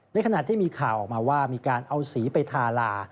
ขณะที่มีข่าวออกมาว่ามีการเอาสีไปทาลา